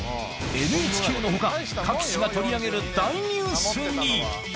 ＮＨＫのほか、各紙が取り上げる大ニュースに。